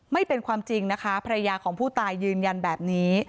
ไม่เป็นความจริงนะคะภรรยาของผู้ตายยืนยันแบบนี้